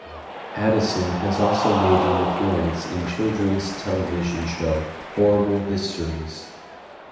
Addison has also made an appearance in children's television show "Horrible Histories".